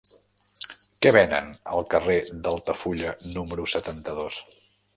Què venen al carrer d'Altafulla número setanta-dos?